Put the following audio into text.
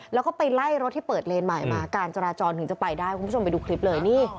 แล้วก็ไปไล่รถที่เปิดเลนใหม่มาการจราจรถึงจะไปได้คุณผู้ชมไปดูคลิปเลยนี่